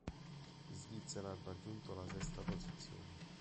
In Svizzera ha raggiunto la sesta posizione.